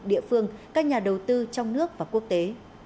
địa phương các nhà đầu tư trong nước và quốc tế